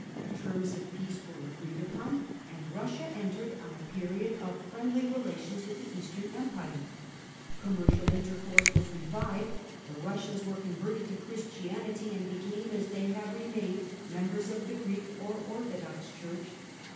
Terms of peace were agreed upon, and Eussia entered on a period of friendly relations with the Eastern Empire. Com mercial intercourse was revived; the Eussians were converted to Christianity, and became, as they have remained, members of the Greek or Orthodox Church.